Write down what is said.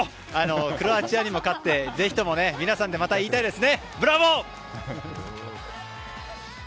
クロアチアにも勝ってぜひとも皆さんでまた言いたいですね。